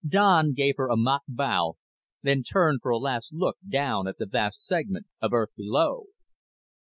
Don gave her a mock bow, then turned for a last look down at the vast segment of Earth below.